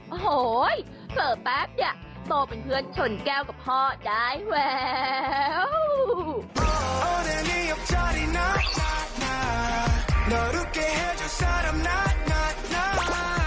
โอ้โหเผลอแป๊บเนี่ยโตเป็นเพื่อนชนแก้วกับพ่อได้แวว